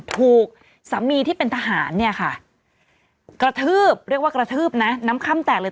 ถูกสามีที่เป็นทหารเนี่ยค่ะกระทืบเรียกว่ากระทืบนะน้ำค่ำแตกเลย